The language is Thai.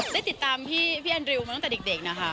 ได้ติดตามพี่แอนดริวมาตั้งแต่เด็กนะคะ